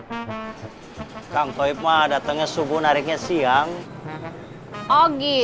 hai kang toib maa datengnya subuh nariknya setengah hari ini ya kan